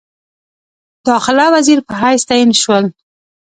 داخله وزیر په حیث تعین شول.